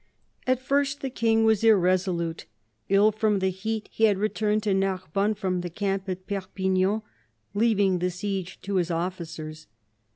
At first the King was irresolute. Ill from the heat, he had returned to Narbonne from the camp at Perpignan, leaving the siege to his officers.